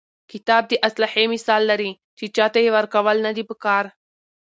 کتاب د اسلحې مثال لري، چي چا ته ئې ورکول نه دي په کار.